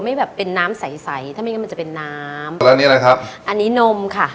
ไม่แบบเป็นน้ำใสใสถ้าไม่งั้นมันจะเป็นน้ำแล้วนี่นะครับอันนี้นมค่ะ